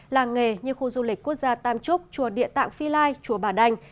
làng nghề như khu du lịch quốc gia tam trúc chùa địa tạng phi lai chùa bà đanh